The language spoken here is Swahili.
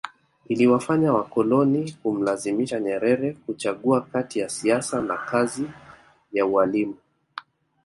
Iliwafanya wakoloni kumlazimisha Nyerere kuchagua kati ya siasa na kazi ya ualimu